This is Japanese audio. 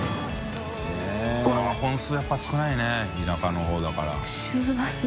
Δ本数やっぱ少ないね田舎の方だから。